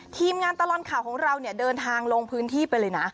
ทีมงานตลอดข่าวของเราเนี่ยเดินทางลงพื้นที่ไปเลยนะ